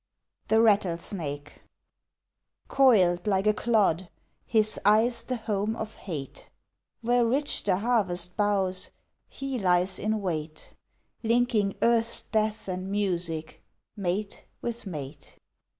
The Rattlesnake Coiled like a clod, his eyes the home of hate, Where rich the harvest bows, he lies in wait, Linking earth's death and music, mate with mate.